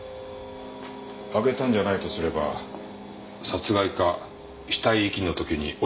あげたんじゃないとすれば殺害か死体遺棄の時に落ちた可能性もある。